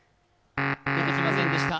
出てきませんでした。